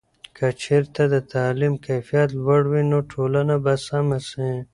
که چېرته د تعلیم کیفیت لوړ وي، نو ټولنه به سمه سي.